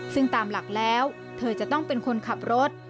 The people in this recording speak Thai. ซึ่งตามหลักแล้วเธอจะต้องเป็นคนขับรถ